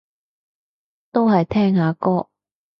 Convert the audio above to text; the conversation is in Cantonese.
都係聽下歌